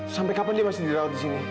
sampai kapan dia masih dirawat di sini